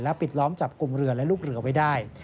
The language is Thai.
ปิดล้อมจับกลุ่มเรือและลูกเรือไว้ได้